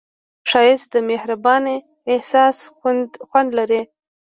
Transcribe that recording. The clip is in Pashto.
ښایست د مهربان احساس خوند لري